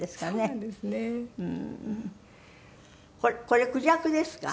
これクジャクですか？